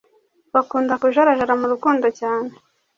bakunda kujarajara mu rukundo cyane